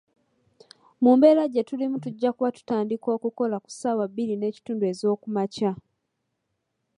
Mu mbeera gye tulimu tujja kuba tutandika okukola ku saawa bbiri n'ekitundu ezookumakya.